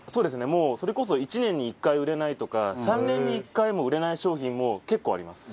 もうそれこそ１年に１回売れないとか３年に１回も売れない商品も結構あります。